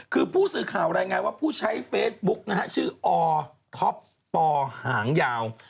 คือผู้สื่อข่าวรายงานว่าผู้ใช้เฟซบุ๊กนะฮะชื่ออท็อปปหางยาว